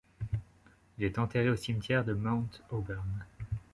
Il est enterré au cimetière de Mount Auburn.